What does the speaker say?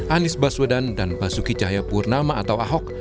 anies baswedan dan basuki cahayapurnama atau ahok